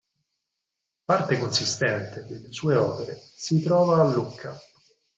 Parte consistente delle sue opere si trova a Lucca.